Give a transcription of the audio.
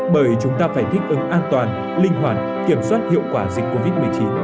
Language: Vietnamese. bởi chúng ta phải thích ứng an toàn linh hoạt kiểm soát hiệu quả dịch covid một mươi chín